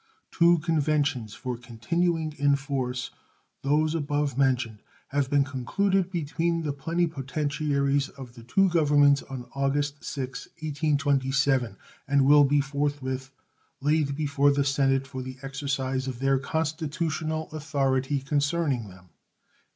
Two conventions for continuing in force those above mentioned have been concluded between the plenipotentiaries of the two Governments on August 6th, 1827, and will be forthwith laid before the Senate for the exercise of their constitutional authority concerning them.